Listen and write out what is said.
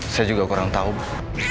saya juga kurang tahu bahwa